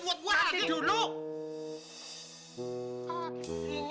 buat gue lagi dulu